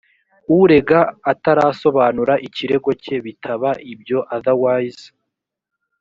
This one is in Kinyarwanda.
urega atarasobanura ikirego cye bitaba ibyo otherwise